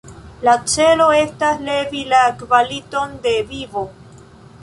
La celo estas levi la kvaliton de vivo.